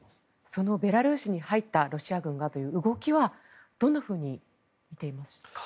そのベラルーシに入ったロシア軍の動きはどんなふうに見ていますか？